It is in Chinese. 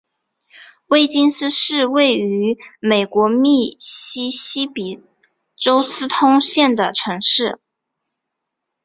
威金斯是一个位于美国密西西比州斯通县的城市。